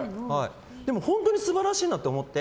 でも本当に素晴らしいなって思って。